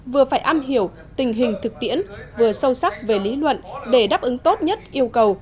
vừa phải am hiểu tình hình thực tiễn vừa sâu sắc về lý luận để đáp ứng tốt nhất yêu cầu